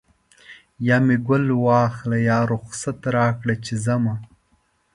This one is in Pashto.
یا مې ګل واخله یا رخصت راکړه چې ځمه